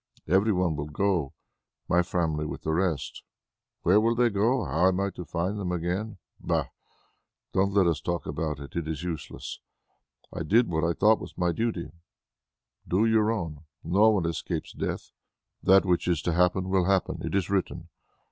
Every one will go; my family with the rest. Where will they go? How am I to find them again? Bah! Don't let us talk about it; it is useless. I did what I thought was my duty; do your own. No one escapes death. That which is to happen, will happen; it is written.